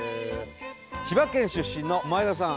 千葉出身の前田さん